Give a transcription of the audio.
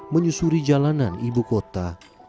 menyusuri jalanan ibu kota